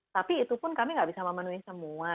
tapi itu pun kami nggak bisa memenuhi semua